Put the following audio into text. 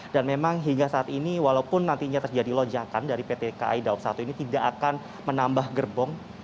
dan memang hingga saat ini walaupun nantinya terjadi lonjakan dari pt kai daob satu ini tidak akan menambah gerbong